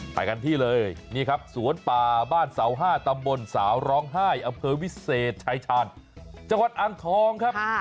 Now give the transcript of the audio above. ไปกันที่เลยนี่ครับสวนป่าบ้านเสา๕ตำบลสาวร้องไห้อเภอวิเศษชายชาญจังหวัดอ่างทองครับ